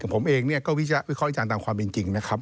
ผมเองก็วิเคราะห์วิจารณ์ตามความจริงนะครับ